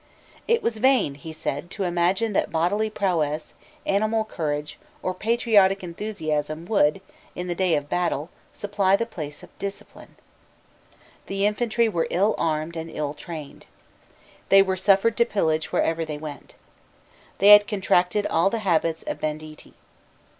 It was vain, he said, to imagine that bodily prowess, animal courage, or patriotic enthusiasm would, in the day of battle, supply the place of discipline. The infantry were ill armed and ill trained. They were suffered to pillage wherever they went. They had contracted all the habits of banditti.